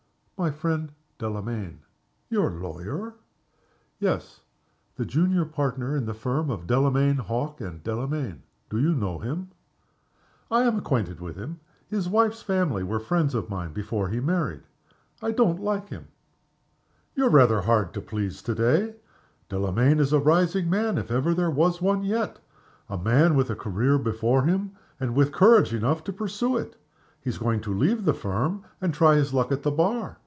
"My friend, Delamayn." "Your lawyer?" "Yes the junior partner in the firm of Delamayn, Hawke, and Delamayn. Do you know him?" "I am acquainted with him. His wife's family were friends of mine before he married. I don't like him." "You're rather hard to please to day! Delamayn is a rising man, if ever there was one yet. A man with a career before him, and with courage enough to pursue it. He is going to leave the Firm, and try his luck at the Bar.